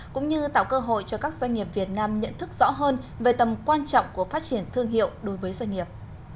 cũng như tạo cơ hội cho các doanh nghiệp việt nam nhận thức rõ hơn về tầm quan trọng của phát triển thương hiệu đối với doanh nghiệp